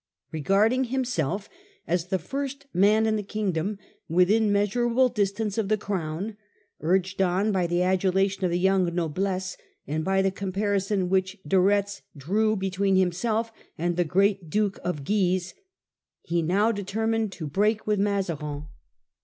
Regarding himself as the first man in the kingdom, within measur able distance of the crown ; urged on by the adulation of the young noblesse, and by the comparison which De Retzdrew between himself and the great Duke of Guise; he now determined to break with Mazarin.